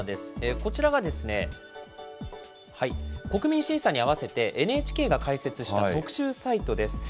こちらがですね、国民審査にあわせて、ＮＨＫが開設した特集サイトです。